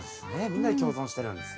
みんなで共存してるんですね。